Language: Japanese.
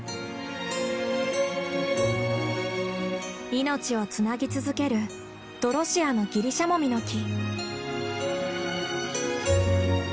命をつなぎ続けるドロシアのギリシャモミの木。